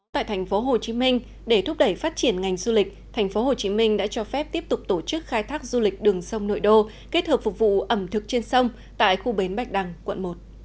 tại thành phố hồ chí minh để thúc đẩy phát triển ngành du lịch thành phố hồ chí minh đã cho phép tiếp tục tổ chức khai thác du lịch đường sông nội đô kết hợp phục vụ ẩm thực trên sông tại khu bến bạch đăng quận một